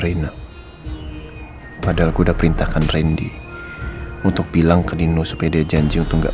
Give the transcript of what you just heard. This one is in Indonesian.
reina padahal kuda perintahkan rendy untuk bilang ke nino supaya dia janji untuk nggak